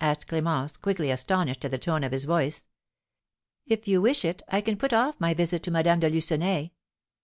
asked Clémence, quickly, astonished at the tone of his voice. "If you wish it, I can put off my visit to Madame de Lucenay."